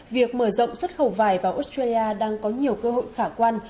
việc mở rộng xuất khẩu vải vào australia đang có nhiều cơ hội khả quan